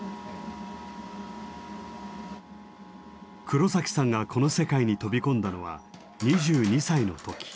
黒さんがこの世界に飛び込んだのは２２歳の時。